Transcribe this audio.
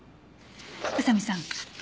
宇佐見さん